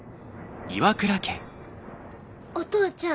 お父ちゃん。